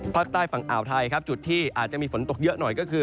ภาคใต้ฝั่งอ่าวไทยครับจุดที่อาจจะมีฝนตกเยอะหน่อยก็คือ